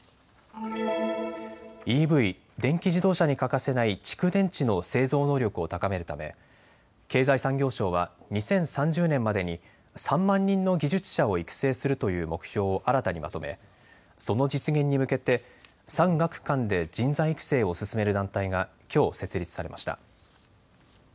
ＥＶ・電気自動車に欠かせない蓄電池の製造能力を高めるため経済産業省は２０３０年までに３万人の技術者を育成するという目標を新たにまとめ、その実現に向けて産学官で人材育成を進める団体がきょう設立されました。